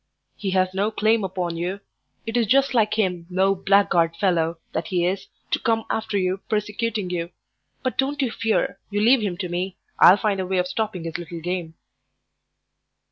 "He has no claim upon you. It is just like him, low blackguard fellow that he is, to come after you, persecuting you. But don't you fear; you leave him to me. I'll find a way of stopping his little game."